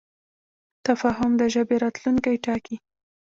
تفاهم د ژبې راتلونکی ټاکي.